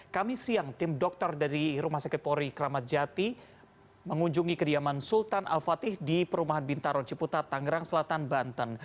kami siang tim dokter dari rumah sakit pori kramat jati mengunjungi kediaman sultan al fatih di perumahan bintaro ciputat tangerang selatan banten